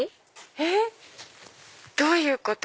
えっ？どういうこと？